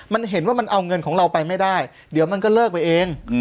มันเห็นว่ามันเอาเงินของเราไปไม่ได้เดี๋ยวมันก็เลิกไปเอง